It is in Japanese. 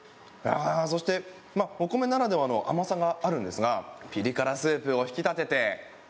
そして、お米ならではの甘さがあるんですがピリ辛スープを引き立てて。